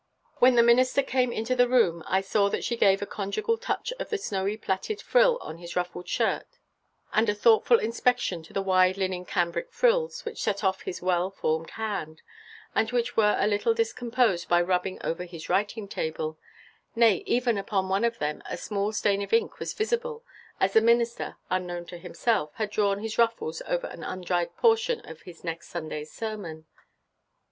When the minister came into the room I saw that she gave a conjugal touch to the snowy plaited frill of his ruffled shirt, and a thoughtful inspection to the wide linen cambric frills which set off his well formed hand, and which were a little discomposed by rubbing over his writing table, – nay, even upon one of them a small stain of ink was visible, as the minister, unknown to himself, had drawn his ruffles over an undried portion of his next Sunday's sermon.